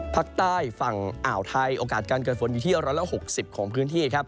ภาคใต้ฝั่งอ่าวไทยโอกาสการเกิดฝนอยู่ที่๑๖๐ของพื้นที่ครับ